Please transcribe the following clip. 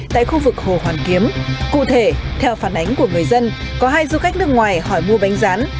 tại khu vực hồ hoàn kiếm cụ thể theo phản ánh của người dân có hai du khách nước ngoài hỏi mua bánh rán